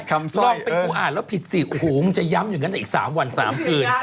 ลองเป็นกูอ่านแล้วผิดสิโอ้โหมึงจะย้ำอย่างนั้นอีก๓วัน๓คืน